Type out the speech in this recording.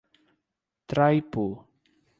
Traipu